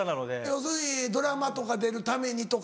要するにドラマとか出るためにとか。